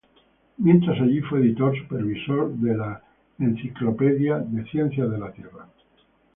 Mientras allí, fue editor supervisor de la "Encyclopedia of Earth Sciences".